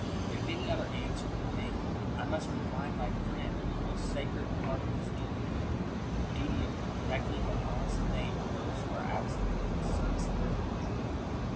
If any other answer be made, I must remind my friend of a most sacred part of his duty — the duty of protecting the honest fame of those who are absent in the service of their country.